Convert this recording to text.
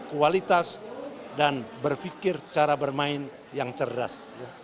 kualitas dan berpikir cara bermain yang cerdas